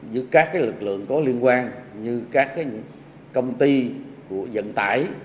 với các lực lượng có liên quan như các công ty vận tải